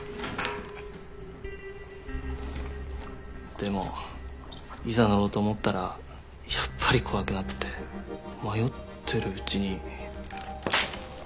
でもいざ乗ろうと思ったらやっぱり怖くなって迷ってるうちに。